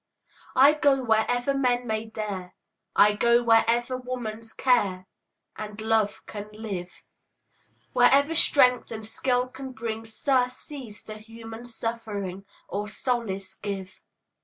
I go wherever men may dare, I go wherever woman's care And love can live, Wherever strength and skill can bring Surcease to human suffering, Or solace give.